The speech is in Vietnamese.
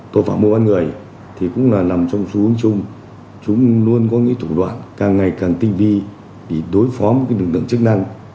tội phạm mua bán người thì cũng là nằm trong xu hướng chung chúng luôn có những thủ đoạn càng ngày càng tinh vi để đối phó với lực lượng chức năng